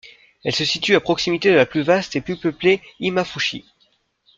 Elle se situe à proximité de la plus vaste et plus peuplée Himmafushi.